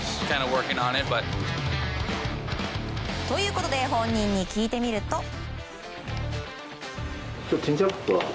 ということで本人に聞いてみると。